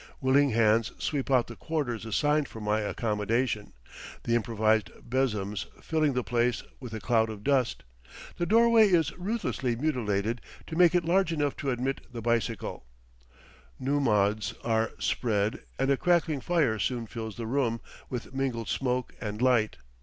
Willing hands sweep out the quarters assigned for my accommodation, the improvised besoms filling the place with a cloud of dust; the doorway is ruthlessly mutilated to make it large enough to admit the bicycle; nummuds are spread and a crackling fire soon fills the room with mingled smoke and light.